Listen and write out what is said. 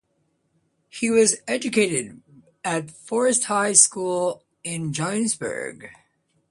He was educated at Forest High School in Johannesburg.